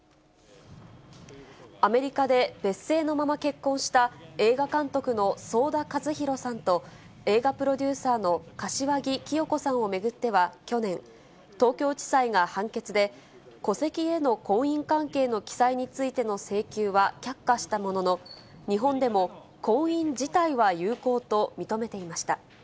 アメリカで別姓のまま結婚した、映画監督の想田和弘さんと、映画プロデューサーの柏木規与子さんを巡っては去年、東京地裁が判決で、戸籍への婚姻関係への記載についての請求は却下したものの、日本でも婚姻自体は有効と認めていました。